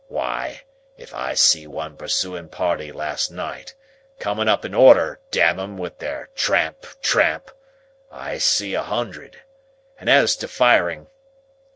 Why, if I see one pursuing party last night—coming up in order, Damn 'em, with their tramp, tramp—I see a hundred. And as to firing!